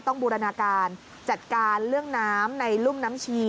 บูรณาการจัดการเรื่องน้ำในรุ่มน้ำชี